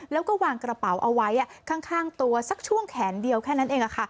แล้วก็วางกระเป๋าเอาไว้ข้างตัวสักช่วงแขนเดียวแค่นั้นเอง